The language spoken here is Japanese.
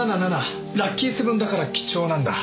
ラッキーセブンだから貴重なんだ。